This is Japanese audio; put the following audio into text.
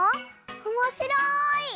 おもしろい！